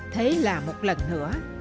thế là một lần nữa